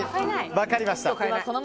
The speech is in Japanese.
分かりました。